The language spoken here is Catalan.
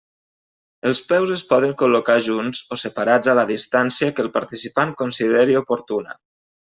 Els peus es poden col·locar junts o separats a la distància que el participant consideri oportuna.